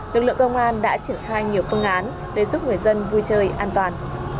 lực lượng công an đã triển khai nhiều phương án để giúp người dân vui chơi an toàn